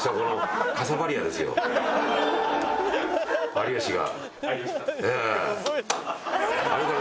有吉が。